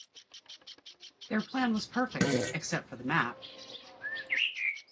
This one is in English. Their plan was perfect- except for the map.